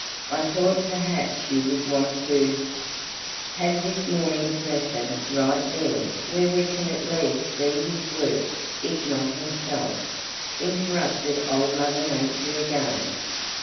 "I thought perhaps you would want to " "Have this morning's lesson right there where we can at least see his works if not himself," interrupted Old Mother Nature again.